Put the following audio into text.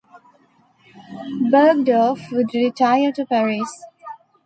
Bergdorf would retire to Paris.